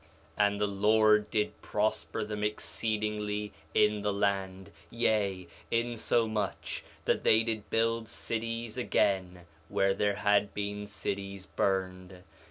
4 Nephi 1:7 And the Lord did prosper them exceedingly in the land; yea, insomuch that they did build cities again where there had been cities burned.